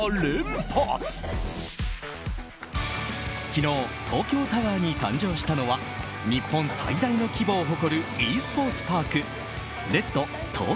昨日、東京タワーに誕生したのは日本最大の規模を誇るｅスポーツパークＲＥＤ°ＴＯＫＹＯＴＯＷＥＲ。